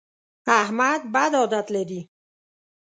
احمد بد عادت لري.